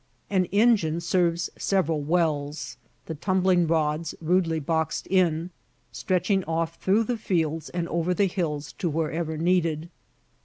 An engine serves several wells, the tumbling rods, rudely boxed in, stretching off through the fields and over the hills to wherever needed.